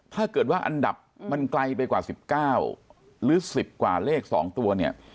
ถ้าเกิดว่าอันดับมันไกลไปกว่า๑๙หรือ๑๐กว่าเลข๒ตัว